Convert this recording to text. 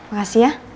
terima kasih ya